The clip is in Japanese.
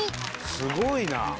すごいな。